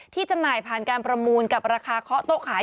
จำหน่ายผ่านการประมูลกับราคาเคาะโต๊ะขาย